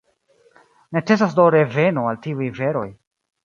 Necesas do reveno al tiuj veroj.